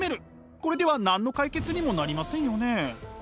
これでは何の解決にもなりませんよね。